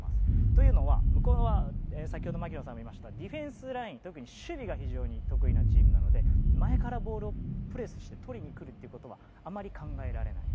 というのは先ほど槙野さんが言いましたディフェンスライン特に守備が非常に得意なチームなので前からボールをプレスしてボールをとりにくるということはあまり考えられない。